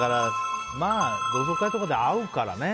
まあ、同窓会とかで会うからね。